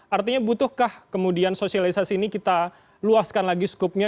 artinya butuhkah kemudian sosialisasi ini kita luaskan lagi skupnya